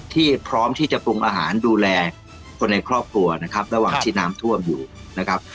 พร้อมที่จะปรุงอาหารดูแลคนในครอบครัวนะครับระหว่างที่น้ำท่วมอยู่นะครับ